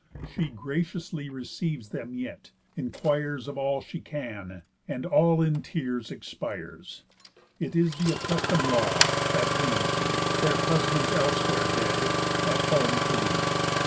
She graciously receives them yet, inquires Of all she can, and all in tears expires. It is th' accustom'd law, that women keep, Their husbands elsewhere dead, at home to weep.